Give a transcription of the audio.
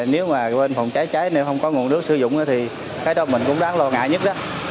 nếu không có nguồn nước sử dụng thì cái đó mình cũng đáng lo ngại nhất đó